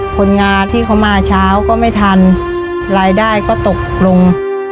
คนงาที่เขามาเช้าก็ไม่ทันรายได้ก็ตกลง